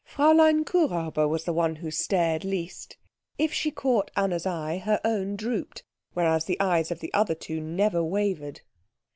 Fräulein Kuhräuber was the one who stared least. If she caught Anna's eye her own drooped, whereas the eyes of the other two never wavered.